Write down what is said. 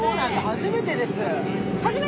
初めてです。